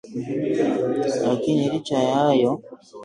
lakini licha ya hayo